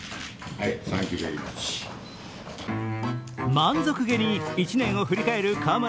満足げに１年を振り返る河村